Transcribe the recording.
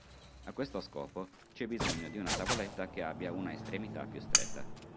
A questo scopo c'è bisogno di una tavoletta che abbia una estremità più stretta.